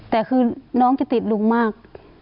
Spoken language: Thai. แต่คือน้องจะติดลุงมาก